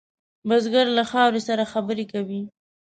بزګر له خاورې سره خبرې کوي